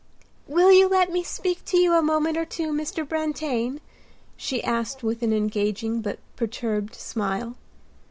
"Will you let me speak to you a moment or two, Mr. Brantain?" she asked with an engaging but perturbed smile.